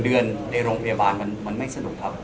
เดือนในโรงพยาบาลมันไม่สนุกครับ